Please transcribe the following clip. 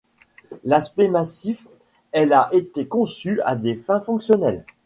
D'aspect massif, elle a été conçue à des fins fonctionnelles.